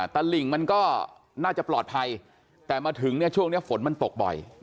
ตลิ่งมันก็น่าจะปลอดภัยแต่มาถึงเนี่ยช่วงนี้ฝนมันตกบ่อย